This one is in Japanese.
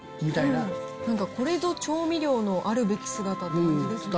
なんかこれぞ調味料のあるべき姿って感じですね。